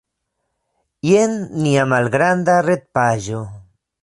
Jen nia malgranda retpaĝo.